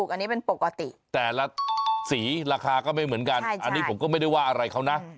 อันนี้เป็นปกติแต่ละสีราคาก็ไม่เหมือนกันอันนี้ผมก็ไม่ได้ว่าอะไรเขานะ